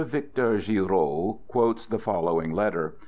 Victor Giraud quotes the following letter.